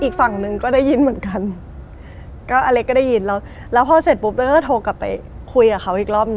คุณเมื่อกี้อะเราโดน